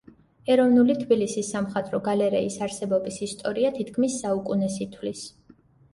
ეროვნული, თბილისის სამხატვრო გალერეის არსებობის ისტორია თითქმის საუკუნეს ითვლის.